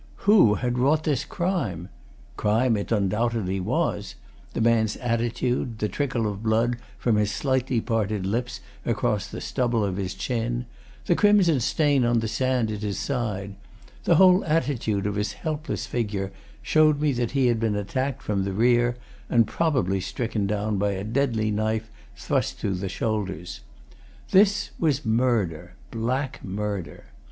Who had wrought this crime? Crime it undoubtedly was the man's attitude, the trickle of blood from his slightly parted lips across the stubble of his chin, the crimson stain on the sand at his side, the whole attitude of his helpless figure, showed me that he had been attacked from the rear and probably stricken down by a deadly knife thrust through his shoulders. This was murder black murder.